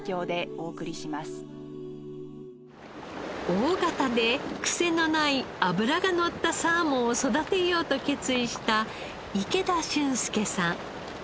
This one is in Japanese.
大型でクセのない脂がのったサーモンを育てようと決意した池田駿介さん。